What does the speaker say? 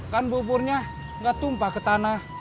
kan buburnya nggak tumpah ke tanah